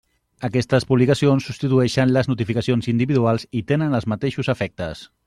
Aquestes publicacions substitueixen les notificacions individuals i tenen els mateixos efectes.